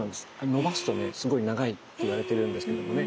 伸ばすとねすごい長いといわれているんですけどもね。